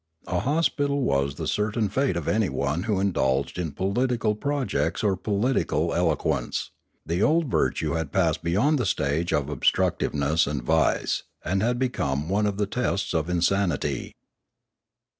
A hospital was the certain fate of anyone who indulged in political projects or political eloquence; the old virtue had passed beyond the stage of obstructiveness and vice, and had become one of the tests of insanity.